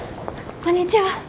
こんにちは。